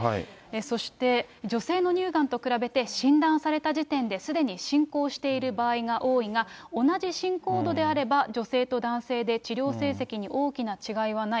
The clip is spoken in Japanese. そして、女性の乳がんと比べて診断された時点ですでに進行している場合が多いが、同じ進行度であれば、女性と男性で治療成績に大きな違いはない。